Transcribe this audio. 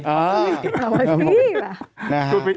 ออกมาซิล่ะ